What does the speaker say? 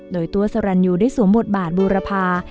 โดยตัวสรรยูได้สวมบทบาทบูรพา